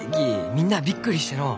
みんなあびっくりしてのう。